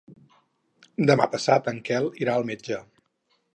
Demà passat en Quel irà al metge.